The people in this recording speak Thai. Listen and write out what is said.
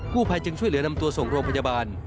ผู้ภัยจึงช่วยเหลือนำตัวส่งโรงพยาบาล